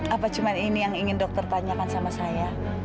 apa cuma ini yang ingin dokter tanyakan sama saya